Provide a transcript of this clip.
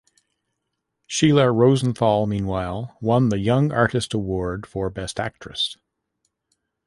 Sheila Rosenthal, meanwhile, won the Young Artist Award for Best Actress.